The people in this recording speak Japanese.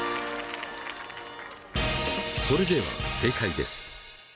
それでは正解です。